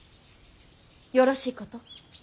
よろしいこと。